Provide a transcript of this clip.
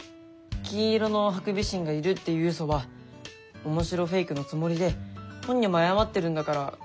金色のハクビシンがいるっていうウソは面白フェイクのつもりで本人も謝ってるんだからいいんじゃないの？